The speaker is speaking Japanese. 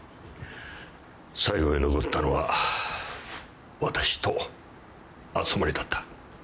最後に残ったのは私と熱護だった。